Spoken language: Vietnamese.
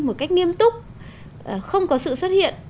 một cách nghiêm túc không có sự xuất hiện